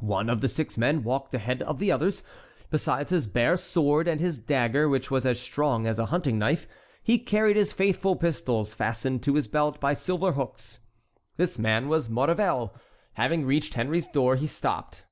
One of the six men walked ahead of the others. Besides his bare sword and his dagger, which was as strong as a hunting knife, he carried his faithful pistols fastened to his belt by silver hooks. This man was Maurevel. Having reached Henry's door, he stopped.